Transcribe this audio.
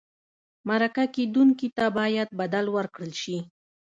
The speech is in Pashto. مرکه کېدونکي ته باید بدل ورکړل شي.